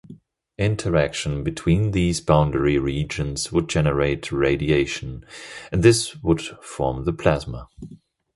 Interaction between these boundary regions would generate radiation, and this would form the plasma.